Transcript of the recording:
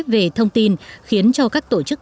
về thông tin khiến cho các tổ chức